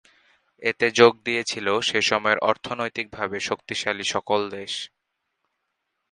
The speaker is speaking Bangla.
এতে যোগ দিয়েছিল সে সময়ের অর্থনৈতিকভাবে শক্তিশালী সকল দেশ।